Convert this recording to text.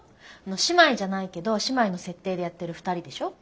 姉妹じゃないけど姉妹の設定でやってる２人でしょ。